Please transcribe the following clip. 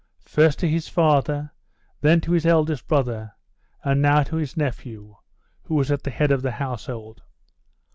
First to his father, then to his eldest brother, and now to his nephew, who was at the head of the household.